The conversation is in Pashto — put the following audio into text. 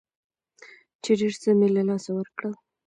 چې ډېر څه مې له لاسه ورکړل.